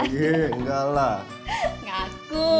makanya lucu banget tuh pengalaman yang itu